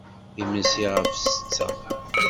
Imensi ɣef ssetta.